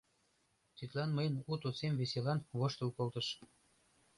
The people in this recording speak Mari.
Тидлан мыйын у тосем веселан воштыл колтыш: